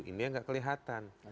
ini yang nggak kelihatan